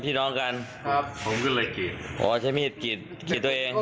พรรดิ